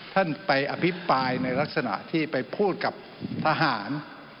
ท่านไปอภิปรายในลักษณะที่ไปพูดกับทหาร